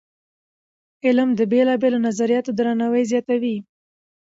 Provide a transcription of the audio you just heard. علم د بېلابېلو نظریاتو درناوی زیاتوي.